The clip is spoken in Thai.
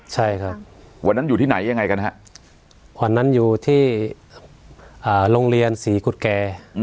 ใช่ครับวันนั้นอยู่ที่ไหนยังไงกันฮะวันนั้นอยู่ที่โรงเรียนศรีกุฎแก่